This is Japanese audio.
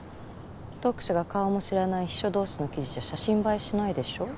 読者が顔も知らない秘書同士の記事じゃ写真映えしないでしょ？